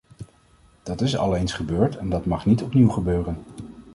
Dat is al eens gebeurd en dat mag niet opnieuw gebeuren.